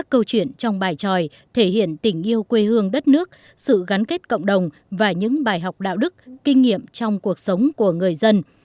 các câu chuyện trong bài tròi thể hiện tình yêu quê hương đất nước sự gắn kết cộng đồng và những bài học đạo đức kinh nghiệm trong cuộc sống của người dân